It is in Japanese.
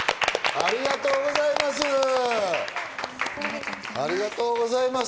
ありがとうございます。